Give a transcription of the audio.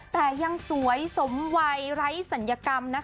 แต่ยังสวยสมวัยไร้ศัลยกรรมนะคะ